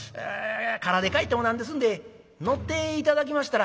空で帰っても何ですんで乗って頂きましたら」。